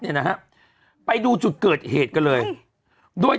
มะนาว